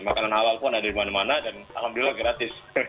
makanan awal pun ada dimana mana dan alhamdulillah gratis